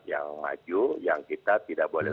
yang maju yang kita tidak boleh